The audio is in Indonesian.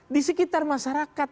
di sekitar masyarakat